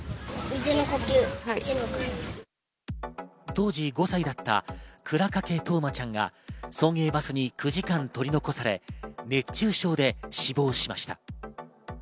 当時５歳だった倉掛冬生ちゃんが送迎バスに９時間取り残され、熱中症で死亡しました。